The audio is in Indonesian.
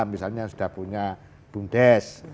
misalnya sudah punya bumdes